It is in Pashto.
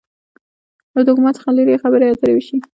له ډوګما څخه لري خبرې اترې وشي.